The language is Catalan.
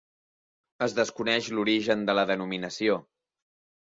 Es desconeix l'origen de la denominació.